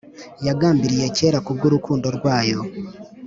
yagambiriye kera ku bw'urukundo rwayo,